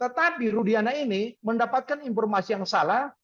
tetapi rudiana ini mendapatkan informasi yang salah